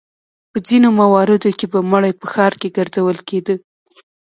په ځینو مواردو کې به مړی په ښار کې ګرځول کېده.